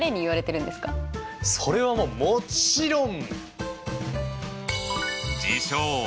それはもちろん！